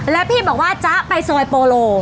แล้วพี่บอกว่าจ๊ะไปซอยโปโล